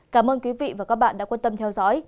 cảm ơn quý vị và các bạn đã quan tâm theo dõi